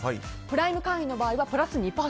プライム会員の場合はプラス２％。